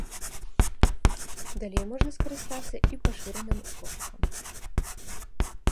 Далей можна скарыстацца і пашыраным пошукам.